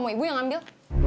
ibu yang ambil